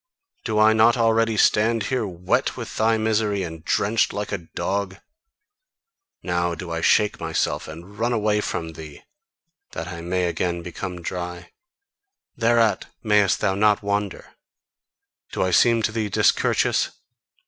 Do I not already stand here wet with thy misery, and drenched like a dog? Now do I shake myself and run away from thee, that I may again become dry: thereat mayest thou not wonder! Do I seem to thee discourteous?